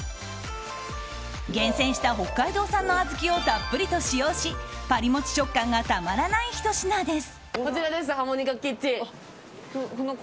厳選した北海道産の小豆をたっぷりと使用しパリモチ食感がたまらないひと品です。